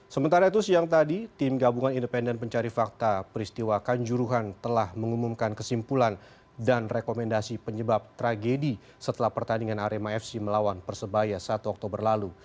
sementara itu siang tadi tim gabungan independen pencari fakta peristiwa kanjuruhan telah mengumumkan kesimpulan dan rekomendasi penyebab tragedi setelah pertandingan arema fc melawan persebaya satu oktober lalu